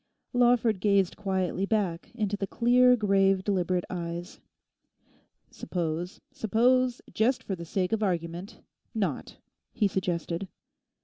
Lawford gazed quietly back into the clear, grave, deliberate eyes. 'Suppose, suppose, just for the sake of argument—not,' he suggested.